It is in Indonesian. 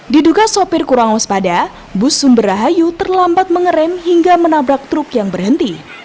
diduga sopir kurang waspada bus sumber rahayu terlambat mengerem hingga menabrak truk yang berhenti